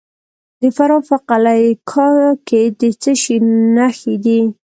د فراه په قلعه کاه کې د څه شي نښې دي؟